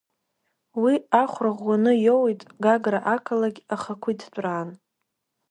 Уи ахәра ӷәӷәаны иоуеит Гагра ақалақь ахақәиҭтәраан.